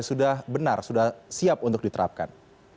sudah benar sudah siap untuk diterapkan